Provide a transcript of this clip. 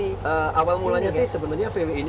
tapi awal mulanya sih sebenarnya vw ini